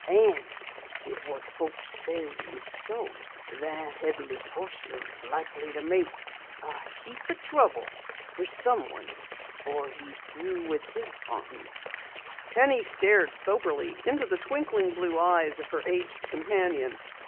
An' if what folks says is so, that Headless Horseman's likely to make a heap o' trouble fer someone before he's through his hauntin'." Penny stared soberly into the twinkling blue eyes of her aged companion.